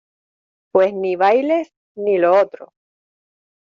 pues ni bailes, ni lo otro.